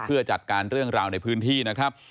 เพื่อจัดการเรื่องราวในพื้นที่นะครับ